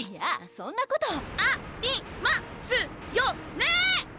そんなことあ・り・ま・す・よ・ね！